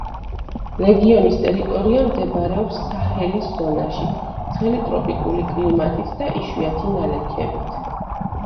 რეგიონის ტერიტორია მდებარეობს საჰელის ზონაში, ცხელი ტროპიკული კლიმატით და იშვიათი ნალექებით.